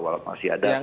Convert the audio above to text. walaupun masih ada